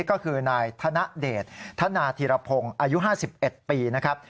ก็คือนายธนเดชธนาธิรพงศ์อายุ๕๑ปีนะครับ